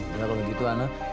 kenapa begitu ana